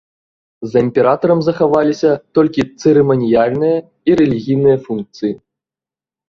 За імператарам захаваліся толькі цырыманіяльныя і рэлігійныя функцыі.